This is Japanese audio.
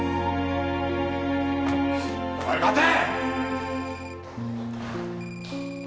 おい待て！